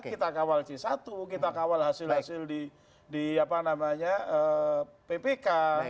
kita ke awal c satu kita ke awal hasil hasil di ppk